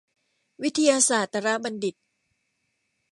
วิทยาศาสตรบัณฑิต